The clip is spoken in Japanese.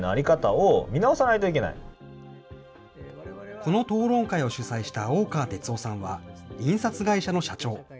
この討論会を主催した大川哲郎さんは、印刷会社の社長。